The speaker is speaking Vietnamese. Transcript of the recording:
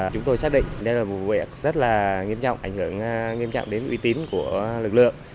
chúng tôi xác định đây là vụ việc rất là nghiêm trọng ảnh hưởng nghiêm trọng đến uy tín của lực lượng